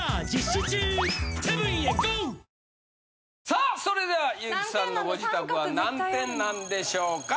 さあそれでは優木さんのご自宅は何点なんでしょうか？